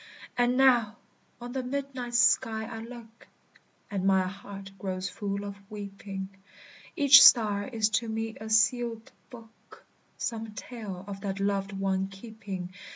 And now on the midnight sky I look, And my heart grows full of weeping; Each star is to me a sealèd book, Some tale of that loved one keeping.